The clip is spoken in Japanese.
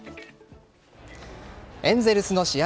エンゼルスの試合